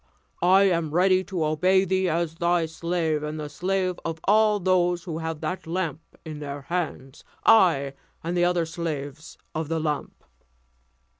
I am ready to obey thee as thy slave, and the slave of all those who have that lamp in their hands; I, and the other slaves of the lamp."